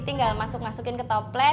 tinggal masuk masukin ke toplet